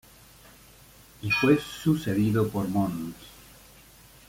Y fue sucedido por Mons.